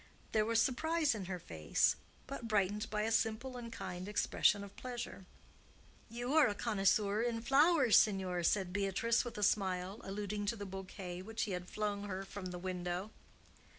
There was surprise in her face, but brightened by a simple and kind expression of pleasure. "You are a connoisseur in flowers, signor," said Beatrice, with a smile, alluding to the bouquet which he had flung her from the window.